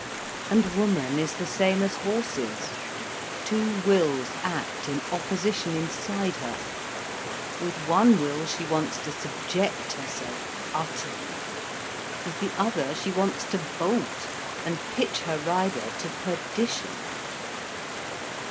"And woman is the same as horses: two wills act in opposition inside her. With one will, she wants to subject herself utterly. With the other she wants to bolt, and pitch her rider to perdition."